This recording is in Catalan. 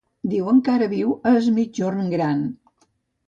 Diuen que ara viu a Es Migjorn Gran.